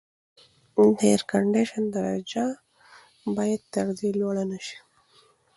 د اېرکنډیشن درجه باید تر دې لوړه نه وي.